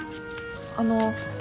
あの。